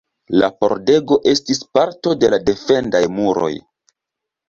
La pordego estis parto de la defendaj muroj.